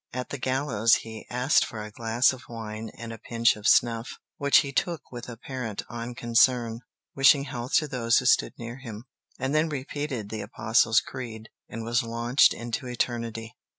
At the gallows he asked for a glass of wine and a pinch of snuff, which "he took with apparent unconcern, wishing health to those who stood near him. He then repeated the Apostle's Creed and was launched into eternity."